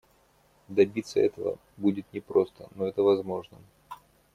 Добиться этого будет непросто, но это возможно.